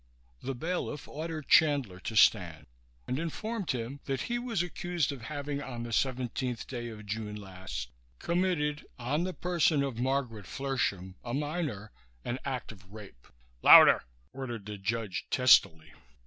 The bailiff ordered Chandler to stand and informed him that he was accused of having, on the seventeenth day of June last, committed on the person of Margaret Flershem, a minor, an act of rape "Louder!" ordered the judge testily.